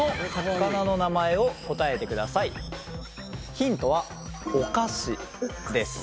ヒントはお菓子です。